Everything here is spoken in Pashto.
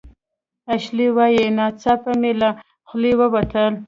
اشلي وايي "ناڅاپه مې له خولې ووتل